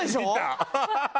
ハハハハ！